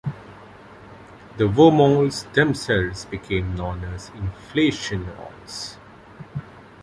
The wormholes themselves became known as "Inflation Holes".